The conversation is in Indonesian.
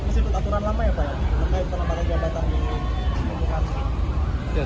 seperti dalam para jabatan di bukit bukit